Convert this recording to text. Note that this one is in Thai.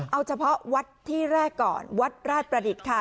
เอาเฉพาะวัดที่แรกก่อนวัดราชประดิษฐ์ค่ะ